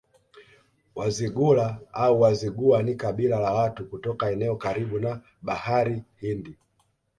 Wazigula au Wazigua ni kabila la watu kutoka eneo karibu na Bahari Hindi